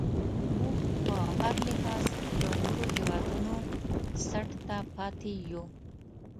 موږ په هر لحاظ له نورو هیوادونو څټ ته پاتې یو.